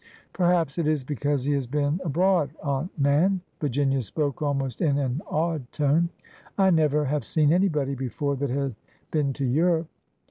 Perhaps it is because he has been abroad, Aunt Nan." Virginia spoke almost in an awed tone. I never have seen anybody before that had been to Europe."